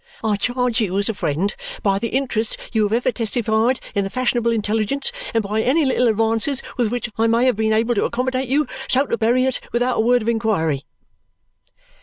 I charge you as a friend, by the interest you have ever testified in the fashionable intelligence, and by any little advances with which I may have been able to accommodate you, so to bury it without a word of inquiry!"